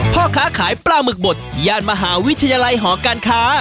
พ่อค้าขายปลาหมึกบดย่านมหาวิทยาลัยหอการค้า